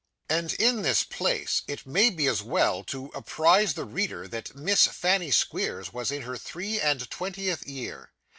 And, in this place, it may be as well to apprise the reader, that Miss Fanny Squeers was in her three and twentieth year.